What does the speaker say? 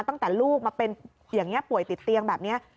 ตั้งแต่ลูกมาเป็นอย่างนี้ป่วยติดเตียงแบบนี้